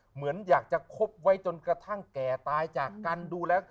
เหมือนอยากจะคบไว้จนกระทั่งแก่ตายจากการดูแล้ว